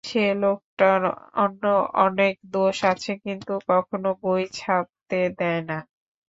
সে লোকটার অন্য অনেক দোষ আছে, কিন্তু কখনো বই ছাপতে দেয় না।